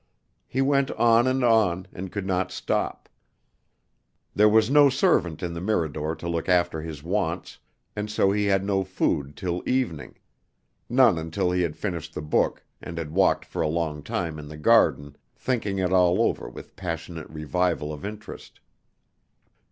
He went on and on, and could not stop. There was no servant in the Mirador to look after his wants, and so he had no food till evening; none until he had finished the book, and had walked for a long time in the garden, thinking it all over with passionate revival of interest.